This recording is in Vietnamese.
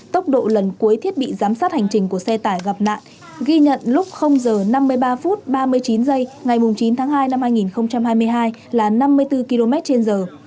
tốc độ lần cuối thiết bị giám sát hành trình của xe tải gặp nạn ghi nhận lúc h năm mươi ba phút ba mươi chín giây ngày chín tháng hai năm hai nghìn hai mươi hai là năm mươi bốn km trên giờ